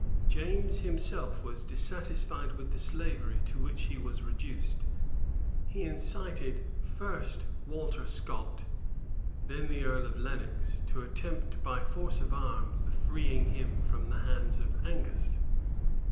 James himself was dissatisfied with the slavery to which he was reduced, and by secret correspondence he incited first Walter Scot, then the earl of Lenox, to attempt by force of arms the freeing him from the hands of Angus.